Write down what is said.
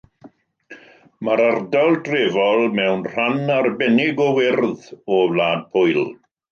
Mae'r ardal drefol mewn rhan arbennig o wyrdd o Wlad Pwyl.